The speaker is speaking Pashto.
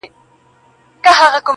د انسانانو په جنګ راغلې-